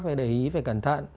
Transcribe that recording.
phải để ý phải cẩn thận